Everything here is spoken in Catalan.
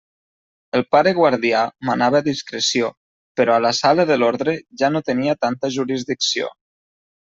El pare guardià manava discreció, però a la sala de l'orde ja no tenia tanta jurisdicció.